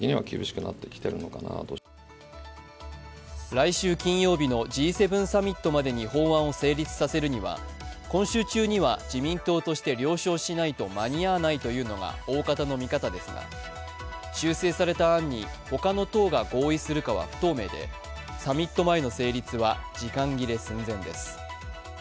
来週金曜日のＧ７サミットまでに法案を成立させるには今週中には自民党として了承しないと間に合わないというのが大方の見方ですが、修正された案に他の党が合意するかは不透明でサミット前の成立は時間切れ寸前です。